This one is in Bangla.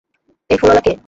এই ফুলওয়া কে?